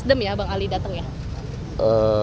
adem ya bang ali datang ya